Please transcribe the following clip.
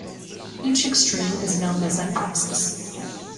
Each extreme is known as an apsis.